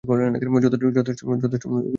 যথেষ্ট কথা বলেছি।